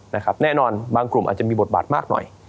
แน่นอนบางกลุ่มอาจจะมีบทบาทมากหน่อย